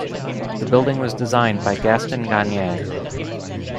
The building was designed by Gaston Gagnier.